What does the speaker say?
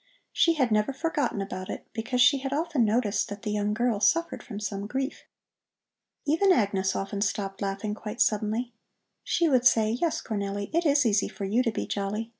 She had never forgotten about it, because she had often noticed that the young girl suffered from some grief. Even Agnes often stopped laughing quite suddenly. She would say: "Yes, Cornelli, it is easy for you to be jolly.